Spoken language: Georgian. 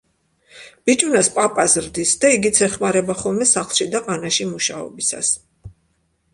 ბიჭუნას პაპა ზრდის და იგიც ეხმარება ხოლმე სახლში და ყანაში მუშაობისას.